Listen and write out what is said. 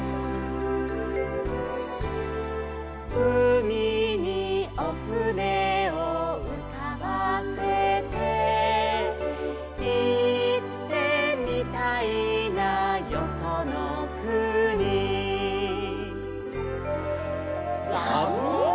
「うみにおふねをうかばせて」「いってみたいなよそのくに」ザブン！